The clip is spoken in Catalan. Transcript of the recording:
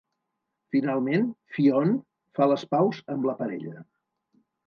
Finalment, Fionn fa les paus amb la parella.